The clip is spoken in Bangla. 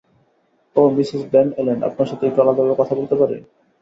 ওহ - মিসেস ভেন এলেন, আপনার সাথে একটু আলাদাভাবে কথা বলতে পারি?